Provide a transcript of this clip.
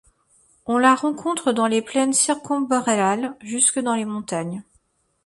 On la rencontre dans les plaines circumboréales, jusque dans les montagnes.